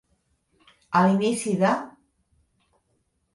A l'inici de.